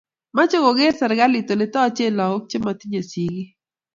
Mechei koker serikalit ole tochei lagok che matinye sigik